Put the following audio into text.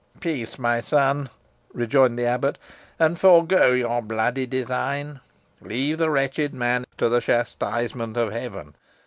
"Peace, my son," rejoined the abbot, "and forego your bloody design. Leave the wretched man to the chastisement of Heaven.